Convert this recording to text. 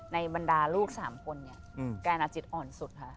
บรรดาลูก๓คนเนี่ยแกนอาจิตอ่อนสุดคะ